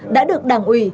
đã được đảng ủy